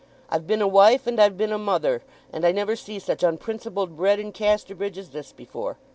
I've been a wife, and I've been a mother, and I never see such unprincipled bread in Casterbridge as this before.